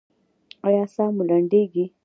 ایا ساه مو لنډیږي؟